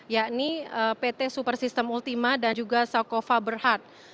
yakni pt supersistem ultima dan juga sokova berhad